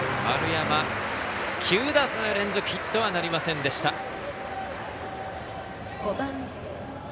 丸山、９打数連続ヒットはなりませんでした。